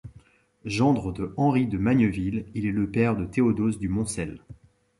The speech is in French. Gendre de Henry de Magneville, il est le père de Théodose du Moncel.